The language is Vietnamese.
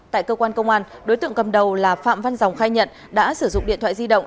tại cơ quan công an đối tượng cầm đầu là phạm văn dòng khai nhận đã sử dụng điện thoại di động